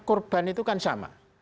korban itu kan sama